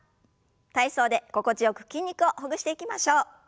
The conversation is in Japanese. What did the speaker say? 体操で心地よく筋肉をほぐしていきましょう。